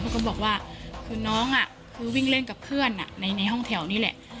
ก็บอกว่าคือน้องคือวิ่งเล่นกับเพื่อนในห้องแถวนี่แหละ